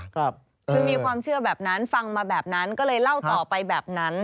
คือมีความเชื่อแบบนั้นฟังมาแบบนั้นก็เลยเล่าต่อไปแบบนั้น